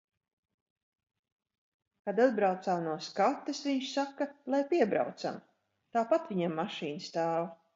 Kad atbraucām no skates, viņš saka, lai piebraucam, tāpat viņam mašīna stāv.